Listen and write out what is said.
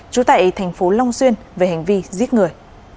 trú tại thành phố long xuyên về hành vi giết người